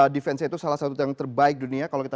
defensenya itu salah satu yang terbaik dunia kalau kita